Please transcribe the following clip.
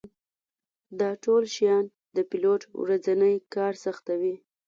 دا ټول شیان د پیلوټ ورځنی کار سختوي